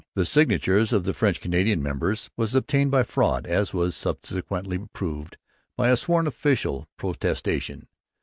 The signatures of the French Canadian members were obtained by fraud, as was subsequently proved by a sworn official protestation.